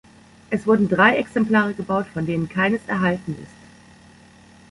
Es wurden drei Exemplare gebaut, von denen keines erhalten ist.